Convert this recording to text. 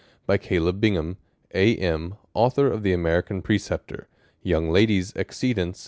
By Caleb Bing ham, A. m. author of the American Preceptor, Young Lady's Accidence, &c.